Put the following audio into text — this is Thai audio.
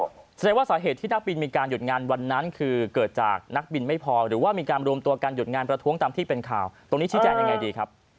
แสดงว่าสาเหตุที่นักบินมีการหยุดงานวันนั้นคือเกิดจากนักบินไม่พอหรือว่ามีการรวมตัวการหยุดงานประท้วงตามที่เป็นข่าวตรงนี้ชี้แจงยังไงดีครับ